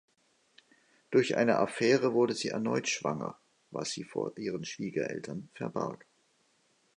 Durch eine Affäre wurde sie erneut schwanger, was sie vor ihren Schwiegereltern verbarg.